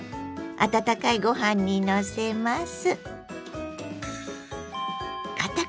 温かいご飯にのせます。